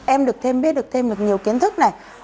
em được thêm biết được thêm được nhiều kiến thức này